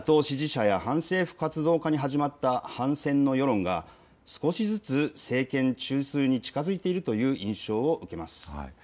野党支持者や反政府活動家に始まった反戦の世論が少しずつ政権中枢に近づいているという印象を受けます。